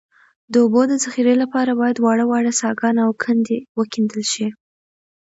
د اوبو د ذخیرې لپاره باید واړه واړه څاګان او کندې وکیندل شي